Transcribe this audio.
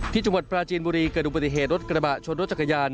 ที่จังหวัดปราจีนบุรีเกิดอุบัติเหตุรถกระบะชนรถจักรยาน